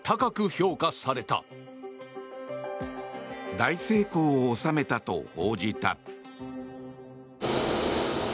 大成功を収めたと報じた。